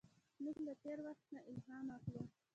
موږ له تېر وخت نه الهام اخلو.